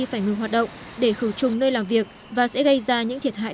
phải ngừng hoạt động để khử trùng nơi làm việc và sẽ gây ra những thiệt hại